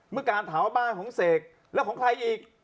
เมื่อการถามว่าบ้านของเสกแล้วของใครอีก